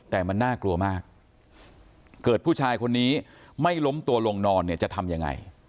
แต่มันน่ากลัวมากเกิดผู้ชายคนนี้ไม่ล้มตัวลงนอนเนี่ยจะทำยังไง